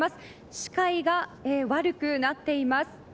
視界が悪くなっています。